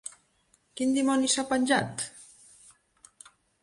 Quin dimoni s'ha penjat?